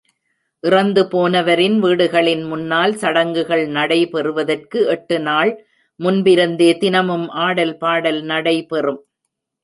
இறந்து போனவரின் வீடுகளின் முன்னால், சடங்குகள் நடைபெறுவதற்கு எட்டு நாள் முன்பிருந்தே தினமும் ஆடல்பாடல் நடை பெறும்.